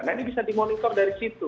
nah ini bisa dimonitor dari situ